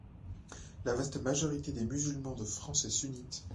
La vaste majorité des musulmans de France est sunnite.